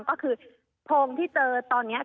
ก็คือโพงที่เจอตอนนี้